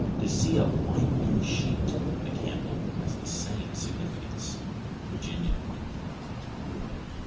To see a "winding sheet" in the candle has the same significance. _Virginia.